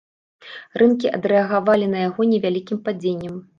Рынкі адрэагавалі на яго толькі невялікім падзеннем.